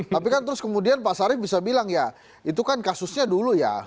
tapi kan terus kemudian pak sarif bisa bilang ya itu kan kasusnya dulu ya